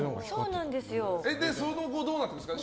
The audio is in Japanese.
その後、どうなったんですか。